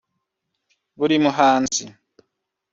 Buri muhanzi